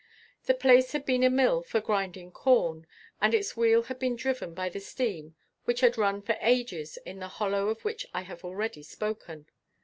The place had been a mill for grinding corn, and its wheel had been driven by the stream which had run for ages in the hollow of which I have already spoken.